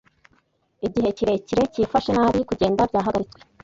Igihe ikirere cyifashe nabi, kugenda byahagaritswe.